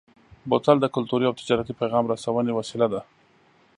بوتل د کلتوري او تجارتي پیغام رسونې وسیله ده.